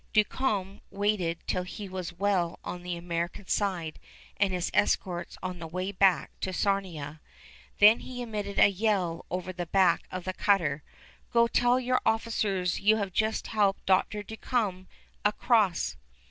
Duncombe waited till he was well on the American side, and his escorts on the way back to Sarnia. Then he emitted a yell over the back of the cutter, "Go tell your officers you have just helped Dr. Duncombe across!"